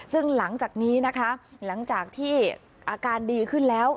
ซึ่งหลังจากนี้นะคะหลังจากที่อาการดีขึ้นแล้ว